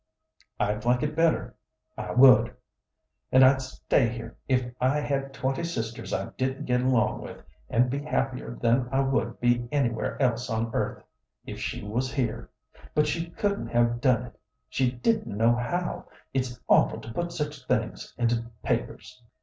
I'd like it better, I would. And I'd stay here if I had twenty sisters I didn't get along with, and be happier than I would be anywhere else on earth, if she was here. But she couldn't have done it. She didn't know how. It's awful to put such things into papers."